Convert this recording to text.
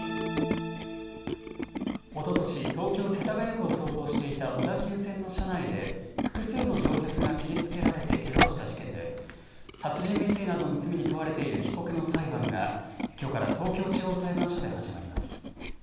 おととし、東京・世田谷区を走行していた小田急線の車内で、複数の乗客が切りつけられてけがをした事件で、殺人未遂などの罪に問われている被告の裁判が、きょうから東京地方裁判所で始まります。